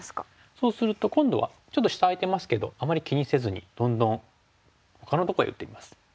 そうすると今度はちょっと下空いてますけどあまり気にせずにどんどんほかのとこへ打っていきます。